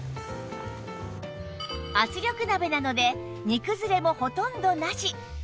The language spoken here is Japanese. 圧力鍋なので煮崩れもほとんどなし！